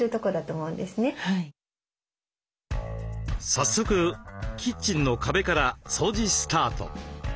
早速キッチンの壁から掃除スタート。